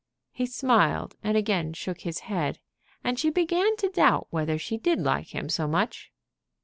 He smiled, and again shook his head, and she began to doubt whether she did like him so much.